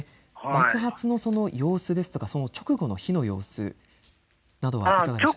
爆発の様子、直後の火の様子などいかがでしょうか。